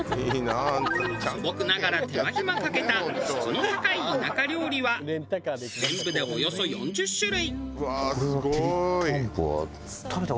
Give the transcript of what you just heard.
素朴ながら手間ひまかけた質の高い田舎料理は全部でおよそ４０種類。